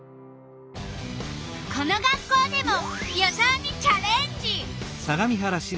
この学校でも予想にチャレンジ！